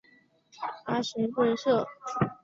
阿什顿巷。